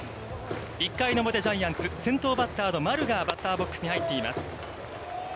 １回表、ジャイアンツ、先頭バッターの丸がバッターボックスに入っています。